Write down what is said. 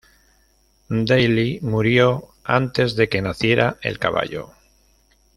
Daly murió antes de que naciera el caballo.